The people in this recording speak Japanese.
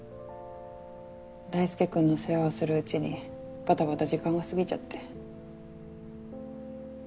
大輔君の世話をするうちにバタバタ時間が過ぎちゃって。